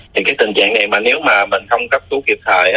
thì cái tình trạng này mà nếu mà mình không cấp cứu kịp thời